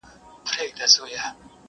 چي غورځي، هغه پرځي.